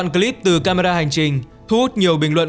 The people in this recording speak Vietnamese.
clip từ camera hành trình thu hút nhiều bình luận